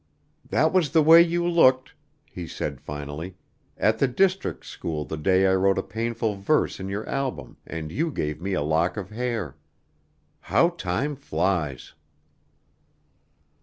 "That was the way you looked," he said finally, "at the district school the day I wrote a painful verse in your album and you gave me a lock of hair. How time flies!"